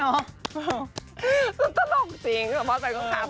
ตลกจริงค่ะพ่อจะคลั่งไปแต่ว่าส่วนตัวสนีฟ